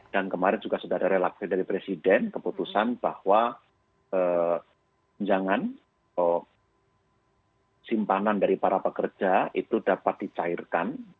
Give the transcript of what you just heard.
dan kemarin juga sudah ada relaks dari presiden keputusan bahwa penjangan simpanan dari para pekerja itu dapat dicairkan